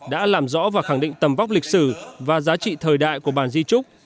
đã làm rõ và khẳng định tầm vóc lịch sử và giá trị thời đại của bàn di trúc